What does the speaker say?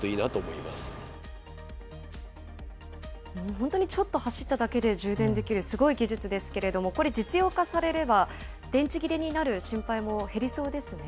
本当にちょっと走っただけで充電できる、すごい技術ですけれども、これ、実用化されれば、電池切れになる心配も減りそうですね。